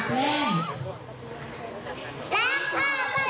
คือนอาทิาณสมอเกล้ง